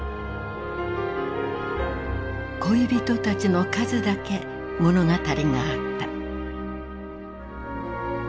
恋人たちの数だけ物語があった。